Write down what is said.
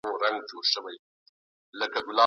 غچ اخیستل داسې شراب دی چي انسان نشه کوي.